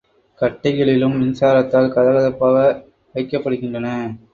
கட்டைகளிலும் மின்சாரத்தால் கதகதப்பாக வைக்கப்படுகின்றன.